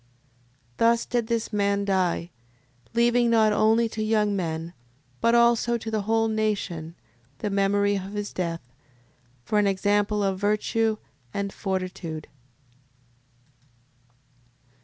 6:31. Thus did this man die, leaving not only to young men, but also to the whole nation, the memory of his death, for an example of virtue and fortitude.